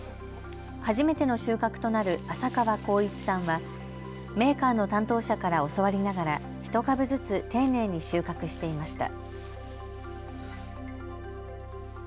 初めての収穫となる浅川晃一さんはメーカーの担当者から教わりながら、ひと株ずつ丁寧に収穫していました。